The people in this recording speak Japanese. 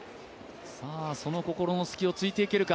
その心の隙をついていけるか。